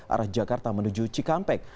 arah jakarta menuju cikampek